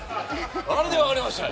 あれで分かりましたよ。